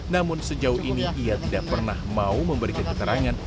namun sejauh ini ia tidak pernah mau memberikan keterangan